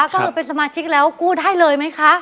ก็คือเป็นสมาชิกแล้วกู้ได้เลยไหมคะ